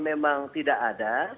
memang tidak ada